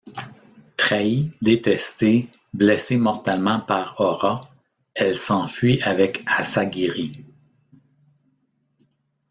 Trahie, détestée, blessée mortellement par Ora, elle s'enfuit avec Asagiri.